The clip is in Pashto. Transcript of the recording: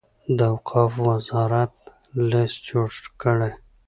د اوقافو وزارت لست جوړ کړي.